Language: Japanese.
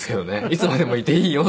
「いつまでもいていいよ」